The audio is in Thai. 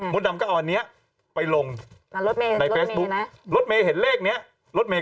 พี่เนี่ยไปซื้อร็อตเตอรี่ฉบับนี้มา